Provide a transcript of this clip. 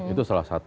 itu salah satu